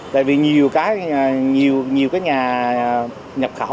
tại vì nhiều cái nhà nhập khảo